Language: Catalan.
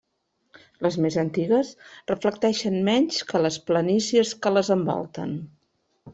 Les més antigues reflecteixen menys que les planícies que les envolten.